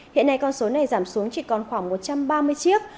hiện nay con số này giảm xuống chỉ còn khoảng một trăm ba mươi chiếc